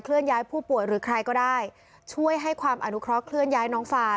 ย้ายผู้ป่วยหรือใครก็ได้ช่วยให้ความอนุเคราะเคลื่อนย้ายน้องฟา